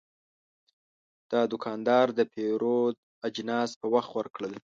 دا دوکاندار د پیرود اجناس په وخت ورکړل.